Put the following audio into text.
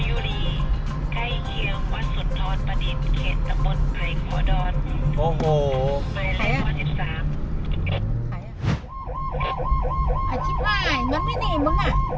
ผู้ชีพเราบอกให้สุจรรย์ว่า๒